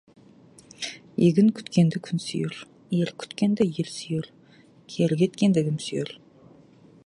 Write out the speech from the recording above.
Егін күткенді күн сүйер, ерік күткенді ел сүйер, кері кеткенді кім сүйер.